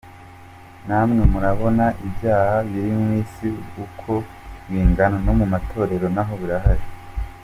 Namwe murabona ibyaha biri mu isi uko bingana, no mu matorero naho birahari.